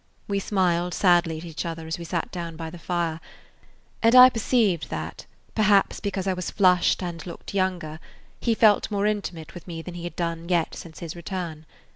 We smiled sadly at each other as we sat down by the fire, and I perceived that, perhaps because I was flushed and looked younger, he felt more intimate with me than he had yet done since his return.